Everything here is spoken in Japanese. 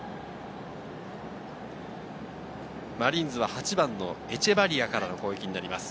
マリーンズは８番のエチェバリアからの攻撃になります。